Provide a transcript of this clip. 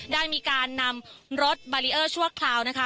ได้มีการนำรถบารีเออร์ชั่วคราวนะคะ